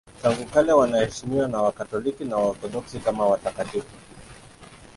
Tangu kale wanaheshimiwa na Wakatoliki na Waorthodoksi kama watakatifu.